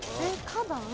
花壇？